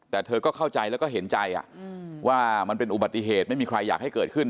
แต่เธอก็เข้าใจแล้วก็เห็นใจว่ามันเป็นอุบัติเหตุไม่มีใครอยากให้เกิดขึ้น